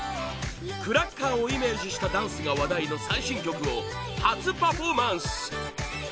クラッカーをイメージしたダンスが話題の最新曲を初パフォーマンス！